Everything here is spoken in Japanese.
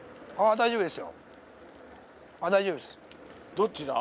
大丈夫です。